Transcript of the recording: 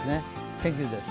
天気図です。